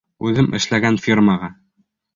Үҙем эшләгән фирмаға.